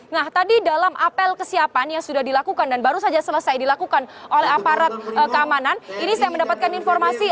nah tadi dalam apel kesiapan yang sudah dilakukan dan baru saja selesai dilakukan oleh aparat keamanan ini saya mendapatkan informasi